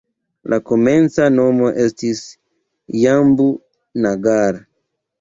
La komenca nomo estis "Jambu-Nagar".